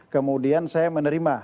kemudian saya menerima